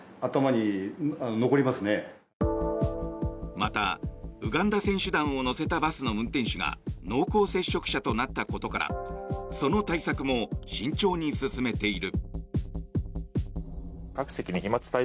また、ウガンダ選手団を乗せたバスの運転手が濃厚接触者となったことからその対策も慎重に進めている。